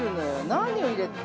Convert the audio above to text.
何を入れて。